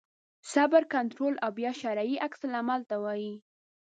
صبر کنټرول او بیا شرعي عکس العمل ته وایي.